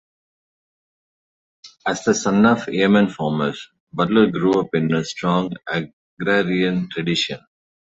As the son of yeoman farmers, Butler grew up in a strong agrarian tradition.